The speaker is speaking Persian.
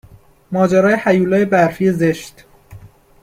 ماجرای هیولای برفی زشت